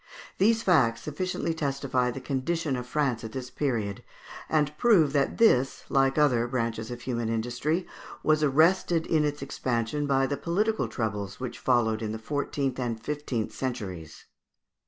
These facts sufficiently testify the condition of France at this period, and prove that this, like other branches of human industry, was arrested in its expansion by the political troubles which followed in the fourteenth and fifteenth centuries.